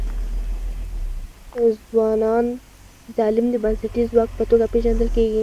ځوانان د تعلیم د بنسټیز ځواک په توګه پېژندل کيږي.